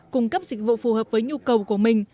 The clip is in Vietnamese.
cung cấp dịch vụ phù hợp với nhu cầu của mình